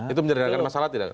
itu menjadikan masalah tidak